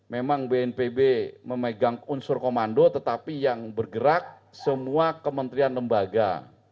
memang bnpb memegang unsur komando tetapi yang bergerak semua kementerian lembaga